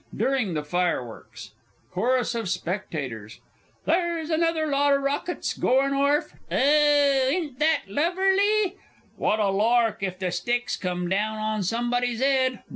_ DURING THE FIREWORKS. CHORUS OF SPECTATORS. There's another lot o' bloomin' rockets gowin orf! Oo oo, 'ynt that lur uvly? What a lark if the sticks come down on somebody's 'ed!